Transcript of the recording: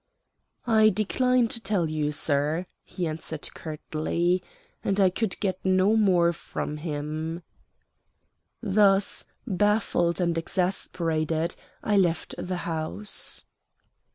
"I decline to tell you, sir," he answered curtly, and I could get no more from him. Thus, baffled and exasperated, I left the house.